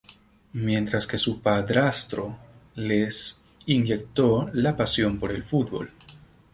Mientras que su padrastro les inyectó la pasión por el fútbol.